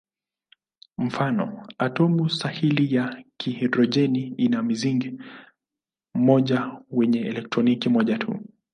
Mfano: atomu sahili ya hidrojeni ina mzingo mmoja wenye elektroni moja tu.